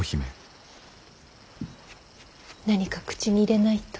何か口に入れないと。